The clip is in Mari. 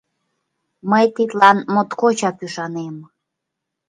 Мый тидлан моткочак ӱшанем.